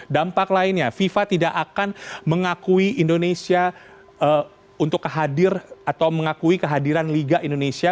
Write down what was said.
dampak lainnya fifa tidak akan mengakui indonesia untuk kehadir atau mengakui kehadiran liga indonesia